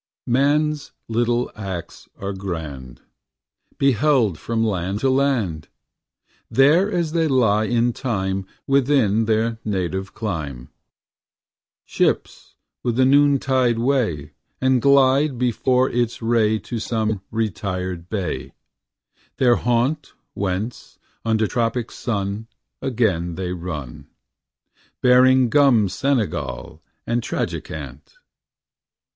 Manâs little acts are grand, Beheld from land to land, There as they lie in time, Within their native clime Ships with the noontide weigh, And glide before its ray To some retired bay, Their haunt, Whence, under tropic sun, Again they run, Bearing gum Senegal and Tragicant.